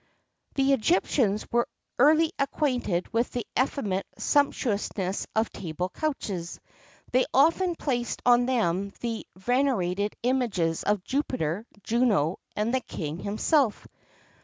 [XXXII 41] The Egyptians were early acquainted with the effeminate sumptuousness of table couches. They often placed on them the venerated images of Jupiter, Juno, and their king himself.